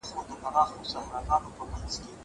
زه ليکلي پاڼي نه ترتيب کوم.